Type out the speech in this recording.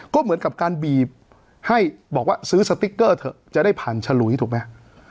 ก็เหมือนกับการบีบให้บอกว่าซื้อสติ๊กเกอร์เถอะจะได้ผ่านฉลุยถูกไหม